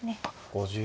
５０秒。